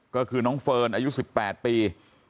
ก็คือน้องเฟิร์นอายุ๑๘ปี